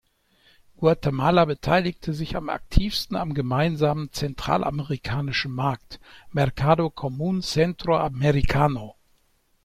Guatemala beteiligte sich am aktivsten am gemeinsamen zentralamerikanischen Markt, "Mercado Común Centro Americano".